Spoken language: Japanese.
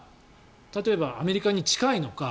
例えばアメリカに近いのか。